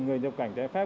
người nhập cảnh trái phép